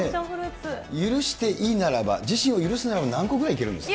許していいならば、自身を許すならば、何個ぐらいいけるんですか？